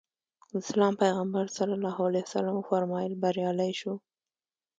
د اسلام پیغمبر ص وفرمایل بریالی شو.